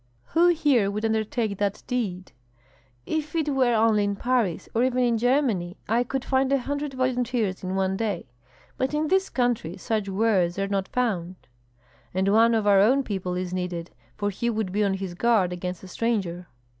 "Who here would undertake that deed?" "If it were only in Paris, or even in Germany, I could find a hundred volunteers in one day, but in this country such wares are not found." "And one of our own people is needed, for he would be on his guard against a stranger."